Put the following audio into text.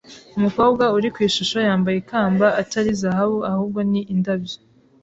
Umukobwa uri ku ishusho yambaye ikamba atari zahabu ahubwo ni indabyo.